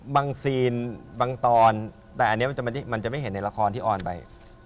ซีนบางตอนแต่อันนี้มันจะไม่เห็นในละครที่ออนไป